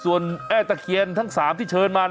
ส่วนแม่ตะเคียนทั้ง๓ที่เชิญมา